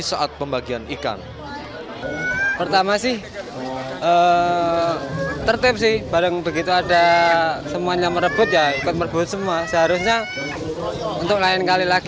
saat pembagian ikan